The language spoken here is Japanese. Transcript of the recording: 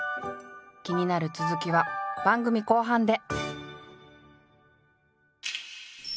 気になる続きは番組後半で！